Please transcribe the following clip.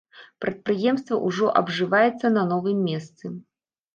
Прадпрыемства ўжо абжываецца на новым месцы.